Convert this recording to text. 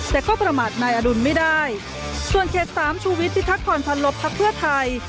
แต่ก็ประมาทนายอรุณไม่ได้ส่วนเขตสามชูวิทพิทักษรพันลบพักเพื่อไทย